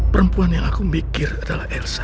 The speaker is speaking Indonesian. perempuan yang aku mikir adalah elsa